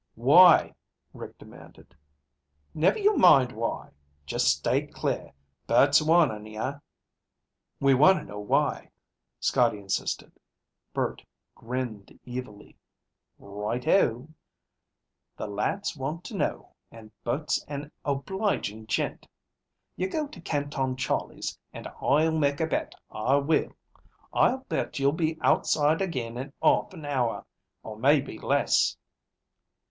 "Why?" Rick demanded. "Never you mind why. Just stay clear. Bert's warnin' you." "We want to know why," Scotty insisted. Bert grinned evilly. "Right o. The lads wants to know, and Bert's an obligin' gent. You go to Canton Charlie's and I'll make a bet, I will. I'll bet you'll be outside again in 'arf an hour, or maybe less."